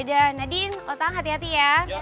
oh ya udah nadine otang hati hati ya